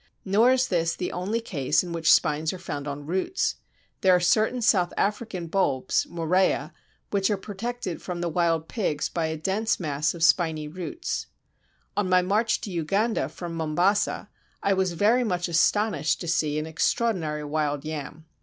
Nor is this the only case in which spines are found on roots. There are certain South African bulbs (Moræa) which are protected from the wild pigs by a dense mass of spiny roots. On my march to Uganda from Mombasa, I was very much astonished to see an extraordinary Wild Yam.